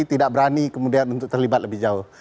tidak berani kemudian untuk terlibat lebih jauh